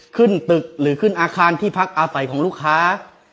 ขึ้นตึกหรือขึ้นอาคารที่พักอาศัยของลูกค้า